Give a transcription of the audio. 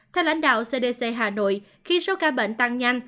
theo lãnh đạo cdc hà nội khi số ca bệnh tăng nhanh